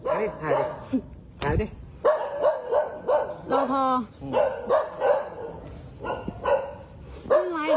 ไหนไหนไหนรอบอภอ